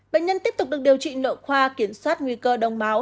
bệnh nhân tiếp tục được điều trị nội khoa kiểm soát nguy cơ đông máu